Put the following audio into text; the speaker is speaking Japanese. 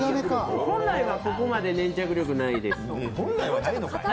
本来はここまで粘着力ないです。